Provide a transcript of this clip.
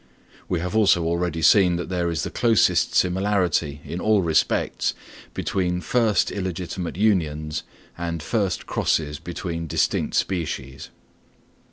We have also already seen that there is the closest similarity in all respects between first illegitimate unions and first crosses between distinct species.